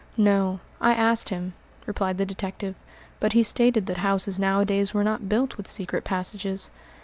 "No; I asked him," replied the detective, "but he stated that houses nowadays were not built with secret passages.